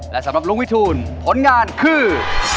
และสำหรับลุงวิทูลผลงานคือ